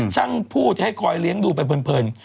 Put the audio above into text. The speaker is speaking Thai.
ช่างพูดให้คอยเลี้ยงดูไปเพลิน